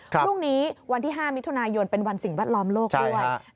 พรุ่งนี้วันที่๕มิถุนายนเป็นวันสิ่งแวดล้อมโลกด้วย